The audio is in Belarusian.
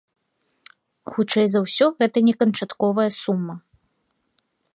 Хутчэй за ўсё гэта не канчатковая сума.